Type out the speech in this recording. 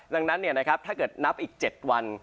ดังนั้นเนี่ยนะครับถ้าเกิดนับอีก๗วัน